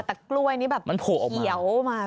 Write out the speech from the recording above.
แต่กล้วยนี้แบบเขียวมา